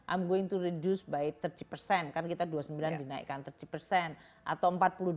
i m going to reduce by tiga puluh kan kita dua puluh sembilan dinaikkan tiga puluh atau empat puluh dua